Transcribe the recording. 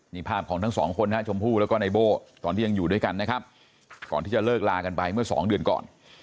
นี่ภาพของทั้งสองคนฮะชมพู่แล้วก็ในโบ้ตอนที่ยังอยู่ด้วยกันนะครับก่อนที่จะเลิกลากันไปเมื่อสองเดือนก่อน